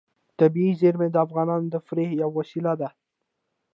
طبیعي زیرمې د افغانانو د تفریح یوه وسیله ده.